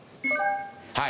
はい。